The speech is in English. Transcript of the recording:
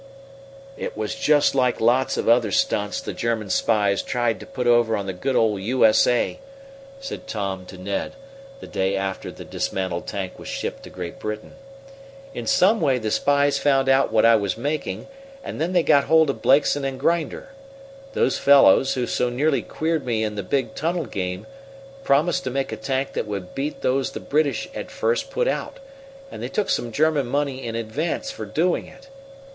"It was just like lots of other stunts the German spies tried to put over on the good old U.S.A.," said Tom to Ned, the day after the dismantled tank was shipped to Great Britain. "In some way the spies found out what I was making, and then they got hold of Blakeson and Grinder. Those fellows, who so nearly queered me in the big tunnel game promised to make a tank that would beat those the British at first put out, and they took some German money in advance for doing it.